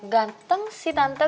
ganteng sih tante